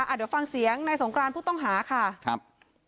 เดี๋ยวฟังเสียงนายสงกรานผู้ต้องหาค่ะครับ